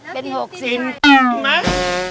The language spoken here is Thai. เป็น๖๐กิโลกรัมสิฟะเห็นไหม